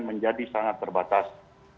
menjadi sangat terbatas